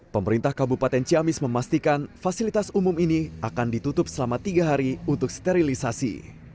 pemerintah kabupaten ciamis memastikan fasilitas umum ini akan ditutup selama tiga hari untuk sterilisasi